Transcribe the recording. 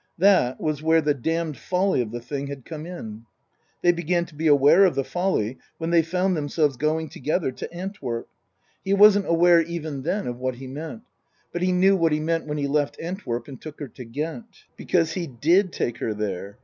That was where the damned folly of the thing had come in. They began to be aware of the folly when they found themselves going together to Antwerp. He wasn't aware even then 8 114 Tasker Jevons of what he meant. But he knew what he meant when he left Antwerp and took her to Ghent. Because he did take her there.